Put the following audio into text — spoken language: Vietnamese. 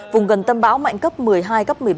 vùng gần tâm bão mạnh cấp một mươi hai cấp một mươi ba